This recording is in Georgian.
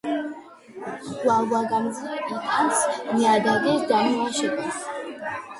გვალვაგამძლეა, იტანს ნიადაგის დამლაშებას.